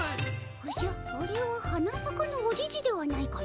おじゃっあれは花さかのおじじではないかの？